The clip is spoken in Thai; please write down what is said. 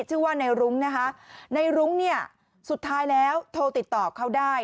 ชื่อว่าในรุ้งนะคะในรุ้งเนี่ยสุดท้ายแล้วโทรติดต่อเขาได้